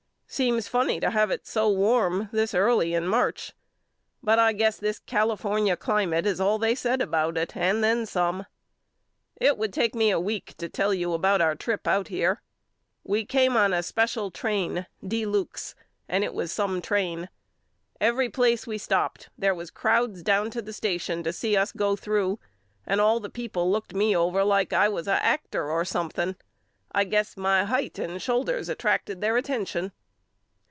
Seems funny to have it so warm this early in March but I guess this California climate is all they said about it and then some. It would take me a week to tell you about our trip out here. We came on a Special Train De Lukes and it was some train. Every place we stopped there was crowds down to the station to see us go through and all the people looked me over like I was a actor or something. I guess my hight and shoulders attracted their attention.